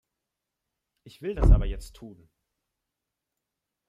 Ich will das aber jetzt tun.